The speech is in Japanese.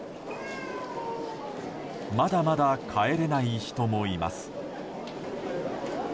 まだまだ帰れない人もいます。